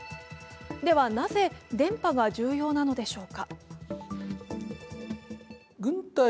ではなぜ、電波が重要なのでしょうか。